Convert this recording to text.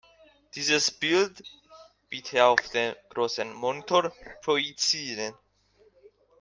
Dieses Bild bitte auf den großen Monitor projizieren.